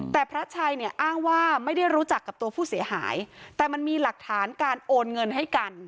แต่พระชัยเนี่ยอ้างว่าไม่ได้รู้จักกับตัวผู้เสียหายแต่มันมีหลักฐานการโอนเงินให้กัน